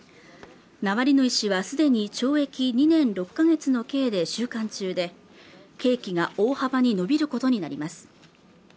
ナワリヌイ氏は既に懲役２年６か月の刑で収監中で刑期が大幅に延びることになります